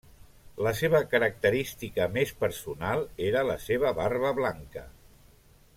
La seva característica més personal era la seva barba blanca.